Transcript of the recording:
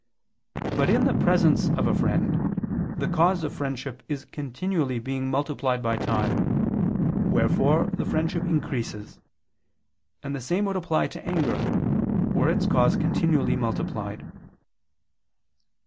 But in the presence of a friend, the cause of friendship is continually being multiplied by time: wherefore the friendship increases: and the same would apply to anger, were its cause continually multiplied.